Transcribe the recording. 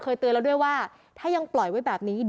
คือว่าเอาคนมาเข้าอยู่มันมันปลอดภัยไม่ปลอดภัย